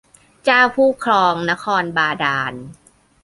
เจ้าผู้ครองนครบาดาล